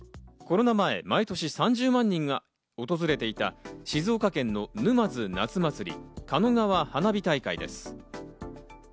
コロナ前、毎年３０万人が訪れていた静岡県の沼津夏まつり・狩野川花火大会です。